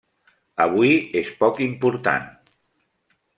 Avui és poc important.